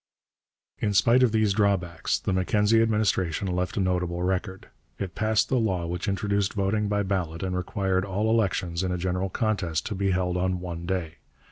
In spite of these drawbacks the Mackenzie administration left a notable record. It passed the law which introduced voting by ballot and required all elections, in a general contest, to be held on one day.